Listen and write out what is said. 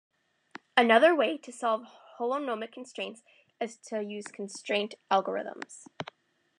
Another way to solve holonomic constraints is to use constraint algorithms.